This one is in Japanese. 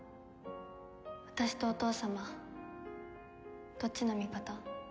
私とお父様どっちの味方？